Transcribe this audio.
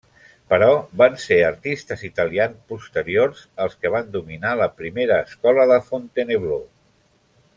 Però van ser artistes italians posteriors els que van dominar la primera escola de Fontainebleau.